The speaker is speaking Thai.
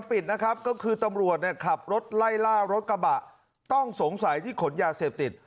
ปิดนะครับก็คือตำรวจเนี่ยขับรถไล่ล่ารถกระบะต้องสงสัยที่ขนยาเสพติด